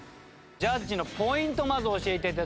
ジャッジのポイントをまず教えて頂きたい。